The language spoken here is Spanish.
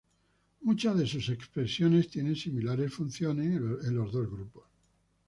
Muchas de sus expresiones tiene similares funciones en los dos grupos.